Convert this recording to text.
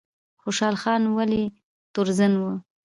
خوشحال خان ولې تورزن و؟